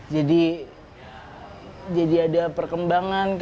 jadi ada perkembangan